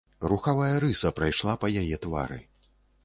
Рухавая рыса прайшла па яе твары.